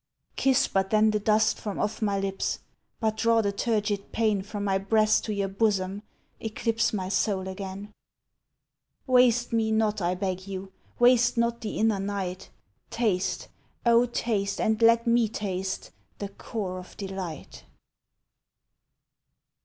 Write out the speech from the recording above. Kiss but then the dust from off my lips, But draw the turgid pain From my breast to your bosom, eclipse My soul again. Waste me not, I beg you, waste Not the inner night: Taste, oh taste and let me taste The core of delight.